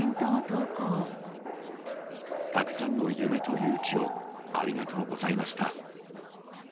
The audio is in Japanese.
たくさんの夢と勇気をありがとうございました。